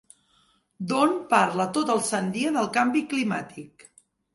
Don parla tot el sant dia del canvi climàtic.